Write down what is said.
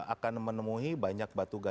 akan menemui banyak batu gaza